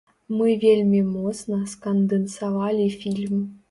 Мы вельмі моцна скандэнсавалі фільм.